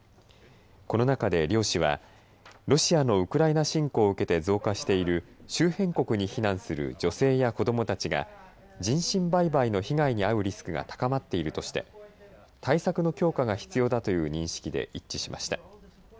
この中で両氏はロシアのウクライナ侵攻を受けて増加している周辺国に避難する女性や子どもたちが人身売買の被害に遭うリスクが高まっているとして対策の強化が必要だという認識で一致しました。